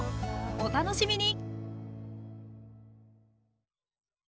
お楽しみに！